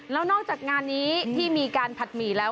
แล้วนอกจากงานนี้ที่มีการผัดหมี่แล้ว